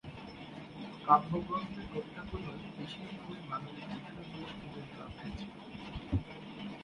কাব্যগ্রন্থের কবিতাগুলোয় বেশিরভাগই মানবিক বিষয়গুলো তুলে ধরা হয়েছে।